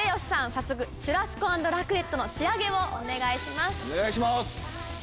早速シュラスコ＆ラクレットの仕上げをお願いします。